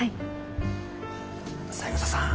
三枝さん